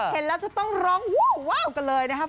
เห็นแล้วจะต้องร้องว้าวกันเลยนะครับ